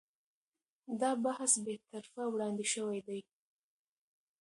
دا بحث بې طرفه وړاندې شوی دی.